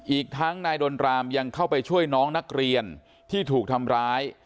อีกทั้งนายดนรามยังเข้าไปช่วยน้องนักเรียนที่ถูกทำร้าย